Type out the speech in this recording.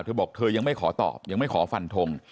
เธอบอกเธอยังไม่ขอตอบยังไม่ขอฟันทง